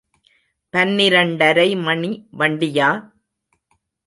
பன்னிரண்டரை மணி வண்டியா?